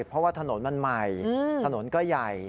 เพราะว่าถนนมันใหม่ถนนก็ใหญ่